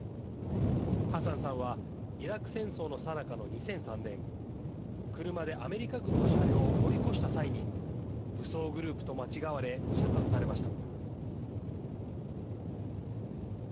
ハサンさんはイラク戦争のさなかの２００３年車でアメリカ軍の車両を追い越した際に武装グループと間違われ射殺されました。